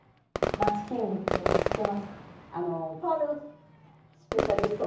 まちキングって知ってますか？